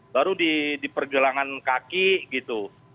baru di pergelangan kaki gitu